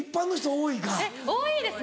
多いです